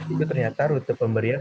itu ternyata rute pemberiannya